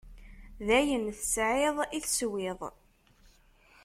D ayen tesɛiḍ i teswiḍ.